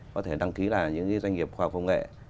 có thể đăng ký là những doanh nghiệp khoa học công nghệ